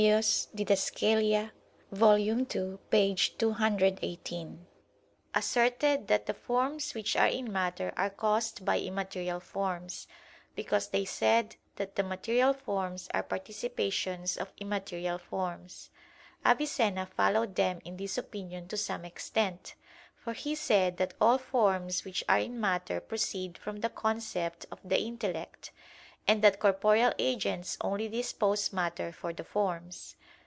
(Did.) vol. ii, p. 218] asserted that the forms which are in matter are caused by immaterial forms, because they said that the material forms are participations of immaterial forms. Avicenna followed them in this opinion to some extent, for he said that all forms which are in matter proceed from the concept of the intellect; and that corporeal agents only dispose [matter] for the forms.